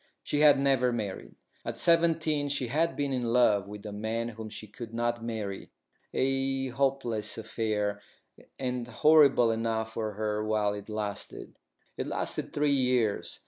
She had never married. At seventeen she had been in love with a man whom she could not marry, a hopeless affair, and horrible enough for her while it lasted. It lasted three years.